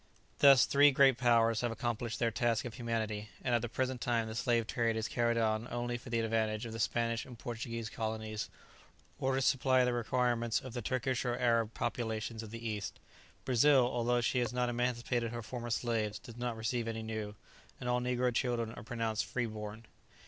Thus, three great powers have accomplished their task of humanity, and at the present time the slave trade is carried on only for the advantage of the Spanish and Portuguese colonies, or to supply the requirements of the Turkish or Arab populations of the East. Brazil, although she has not emancipated her former slaves, does not receive any new, and all negro children are pronounced free born.